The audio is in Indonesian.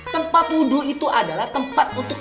tempat wudhu itu adalah tempat untuk